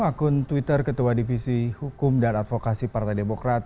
akun twitter ketua divisi hukum dan advokasi partai demokrat